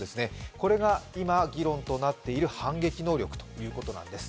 これが今、議論となっている反撃能力ということなんです。